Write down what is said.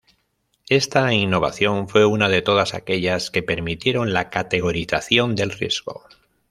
Esta innovación fue una de todas aquellas que permitieron la categorización del riesgo.